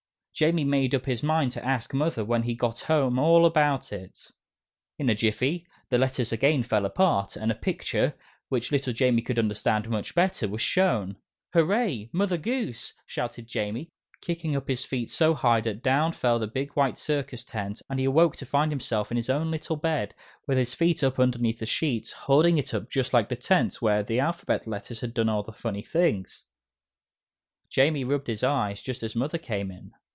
Jamie made up his mind to ask Mother when he got home all about it. In a jiffy, the Letters again fell apart, and a picture, which little Jamie could understand much better, was shown. "Hurray! Mother Goose!" shouted Jamie, kicking up his feet so high that down fell the big white circus tent, and he awoke to find himself in his own little bed, with his feet up underneath the sheet, holding it up just like the tent where the Alphabet Letters had done all the funny things. Jamie rubbed his eyes, just as Mother came in.